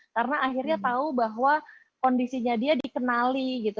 karena akhirnya tahu bahwa kondisinya dia dikenali gitu